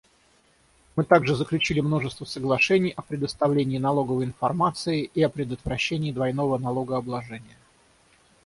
Мы также заключили множество соглашений о предоставлении налоговой информации и о предотвращении двойного налогообложения.